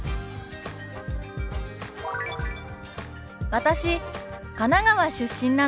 「私神奈川出身なの」。